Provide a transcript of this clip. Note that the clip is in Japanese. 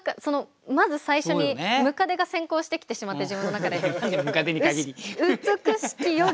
まず最初にムカデが先行してきてしまって自分の中で。